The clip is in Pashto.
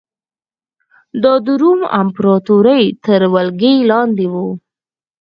دا د روم امپراتورۍ تر ولکې لاندې و